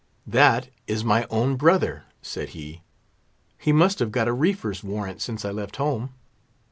"That is my own brother," said he; "he must have got a reefer's warrant since I left home.